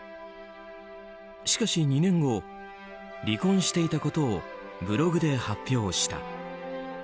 しかし２年後離婚していたことをブログで発表した。